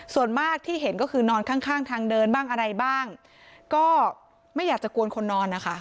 ส่วนมากที่เห็นก็คือนอนข้างข้างทางเดินบ้างอะไรบ้างก็ไม่อยากจะกวนคนนอนนะคะ